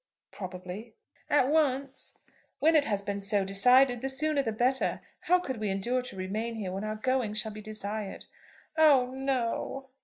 "Probably." "At once?" "When it has been so decided, the sooner the better. How could we endure to remain here when our going shall be desired?" "Oh no!"